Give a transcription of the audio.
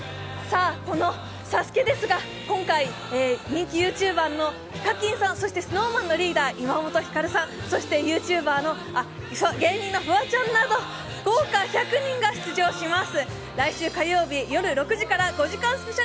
「ＳＡＳＵＫＥ」ですが、今回、人気ＹｏｕＴｕｂｅｒのヒカキンさんそしてＳｎｏｗＭａｎのリーダー岩本照さん、そして芸人のフワちゃんなど豪華１００人が出場します。